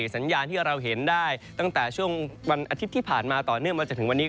สัญญาณที่เราเห็นได้ตั้งแต่ช่วงวันอาทิตย์ที่ผ่านมาต่อเนื่องมาจนถึงวันนี้